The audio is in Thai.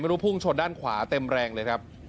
พุ่งชนด้านขวาเต็มแรงเลยครับ